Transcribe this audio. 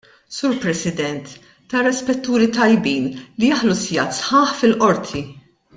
Sur President, tara spetturi tajbin li jaħlu sigħat sħaħ fil-qorti.